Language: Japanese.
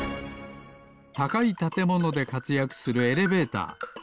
たかいたてものでかつやくするエレベーター。